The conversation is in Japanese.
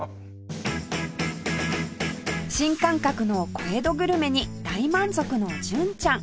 新感覚の小江戸グルメに大満足の純ちゃん